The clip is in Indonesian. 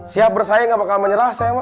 siap bersaing apa kalau menyerah saya mah